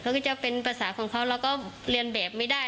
ก็จะเป็นภาษาของเขาเราก็เรียนแบบไม่ได้